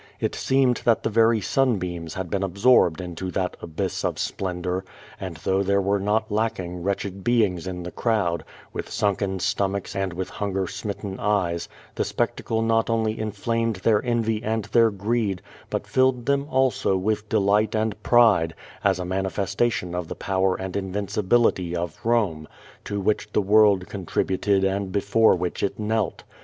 It seemed that the very sunbeams had been absorbed into that abyss of sj)lendor, and though there were not lack ing wretched beings in the crowd, with sunken stomachs and with hunger smitten eyes, the spectacle not only inflamed their envy and their greed, but filled them also with delight 278 Q^^ VADTS. and pride, as a nmnifestation of the power and invincibility of Home, to which the world contributed and before which it knelt.